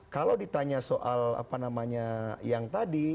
kalau ditanya soal apa namanya yang tadi